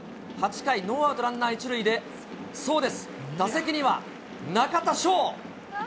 ８回、ノーアウトランナー１塁で、そうです、打席には中田翔。